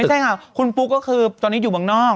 ไม่ใช่กว่าคุณปุ๊กก็คือตอนนี้อยู่บ้างนอก